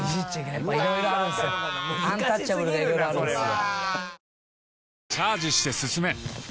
やっぱいろいろあるんですよアンタッチャブルがいろいろあるんですよ